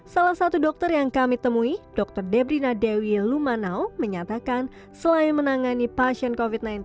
salah satu dokter yang kami temui dr debrina dewi lumanao menyatakan selain menangani pasien covid sembilan belas